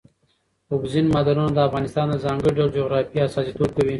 اوبزین معدنونه د افغانستان د ځانګړي ډول جغرافیه استازیتوب کوي.